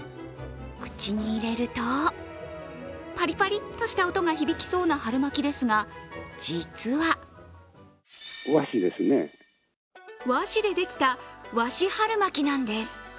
口に入れると、パリパリッとした音が響きそうな春巻きですが、実は和紙でできた和紙春巻きなんです。